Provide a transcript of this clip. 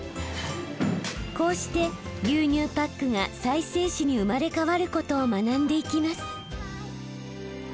こうして牛乳パックが再生紙に生まれ変わることを学んでいきます。